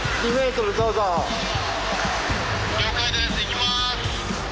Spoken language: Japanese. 「了解です。いきます」。